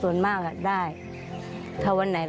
ป้าก็ทำของคุณป้าได้ยังไงสู้ชีวิตขนาดไหนติดตามกัน